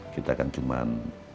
kita kan cuman